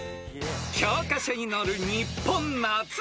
［教科書に載るニッポン夏の名曲